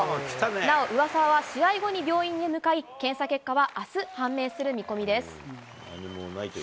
なお上沢は試合後に病院へ向かい、検査結果はあす判明する見込みです。